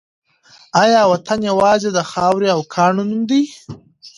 آیا وطن یوازې د خاورې او کاڼو نوم دی؟